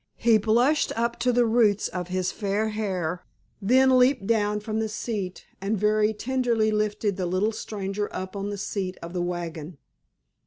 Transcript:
He blushed up to the roots of his fair hair, then leaped down from the seat and very tenderly lifted the little stranger up on the seat of the wagon.